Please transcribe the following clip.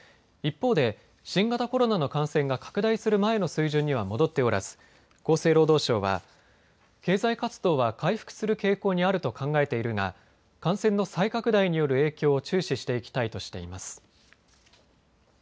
一方で新型コロナの感染が拡大する前の水準には戻っておらず厚生労働省は経済活動は回復する傾向にあると考えているが感染の再拡大による影響を注視していきたいとしています。